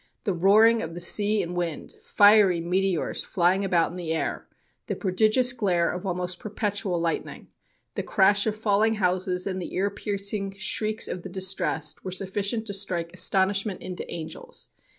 "The roaring of the sea and wind, fiery meteors flying about in the air, the prodigious glare of almost perpetual lightning, the crash of falling houses, and the ear piercing shrieks of the distressed, were sufficient to strike astonishment into angels.